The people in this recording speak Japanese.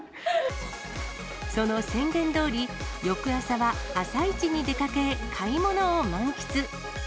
その宣言どおり、翌朝は朝市に出かけ、買い物を満喫。